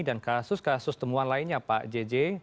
dan kasus kasus temuan lainnya pak jj